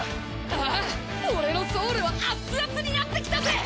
あぁ俺のソウルはアツアツになってきたぜ！